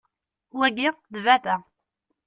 Wagi, d baba.